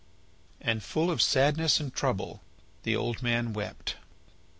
And full of sadness and trouble, the old man wept.